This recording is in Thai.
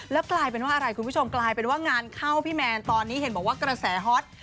แล้วกลายเป็นว่าอะไรคุณผู้ชมกลายเป็นว่างานเข้าพี่แมนตอนนี้เห็นบอกว่ากระแสฮอต